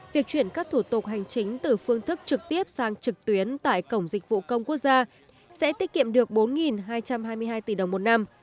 việc chuyển các thủ tục hành chính từ phương thức trực tiếp sang trực tuyến tại cổng dịch vụ công quốc gia sẽ tiết kiệm được bốn hai trăm hai mươi hai tỷ đồng một năm